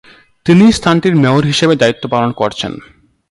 তিনিই স্থানটির মেয়র হিসেবে দায়িত্ব পালন করছেন।